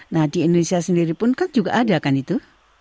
nah di indonesia sendiri pun kan juga ada kan itu